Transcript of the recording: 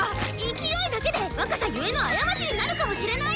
勢いだけで若さゆえの過ちになるかもしれない！